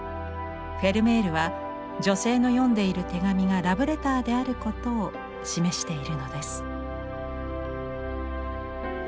フェルメールは女性の読んでいる手紙がラブレターであることを示しているのです。